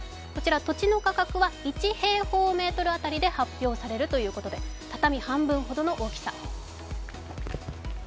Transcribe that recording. こちら土地の価格は１平方メートルで発表されるということで畳半分ほどの大きさ。